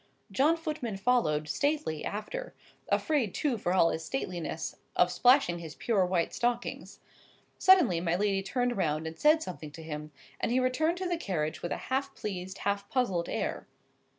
John Footman followed, stately, after; afraid too, for all his stateliness, of splashing his pure white stockings. Suddenly my lady turned round and said something to him, and he returned to the carriage with a half pleased, half puzzled air.